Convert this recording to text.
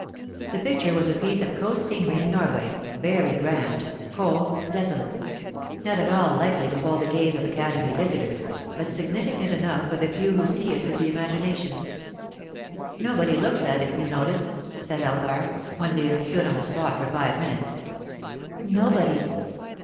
The picture was a piece of coast scenery in Norway, very grand, cold, desolate; not at all likely to hold the gaze of Academy visitors, but significant enough for the few who see with the imagination. "Nobody looks at it, you notice," said Elgar, when they had stood on the spot for five minutes. "Nobody."